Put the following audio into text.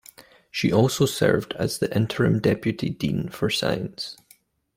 She also served as the interim deputy dean for science.